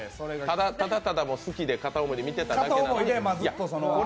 ただただ好きで、片思いで見てただけなのに。